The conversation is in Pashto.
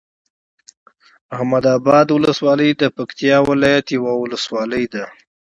احمداباد ولسوالۍ د پکتيا ولايت یوه ولسوالی ده